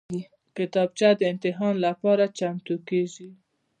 کتابچه د امتحان لپاره چمتو کېږي